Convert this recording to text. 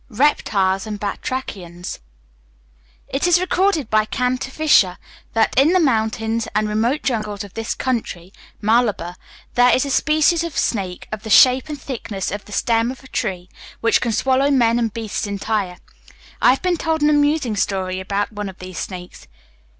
3. Reptiles and Batrachians. It is recorded by Canter Visscher that, "in the mountains and remote jungles of this country (Malabar), there is a species of snake of the shape and thickness of the stem of a tree, which can swallow men and beasts entire. I have been told an amusing story about one of these snakes.